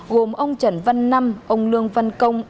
gồm ông trần văn năm ông lương văn công